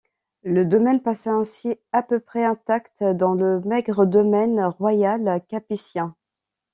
Le domaine passa ainsi à peu près intact dans le maigre domaine royal capétien.